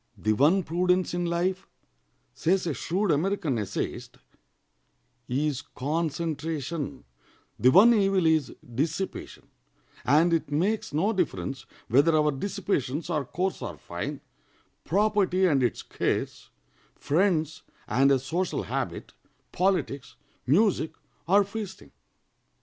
"The one prudence in life," says a shrewd American essayist, "is concentration, the one evil is dissipation; and it makes no difference whether our dissipations are coarse or fine, property and its cares, friends and a social habit, politics, music, or feasting.